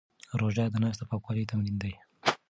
روژه د نفس د پاکوالي تمرین دی.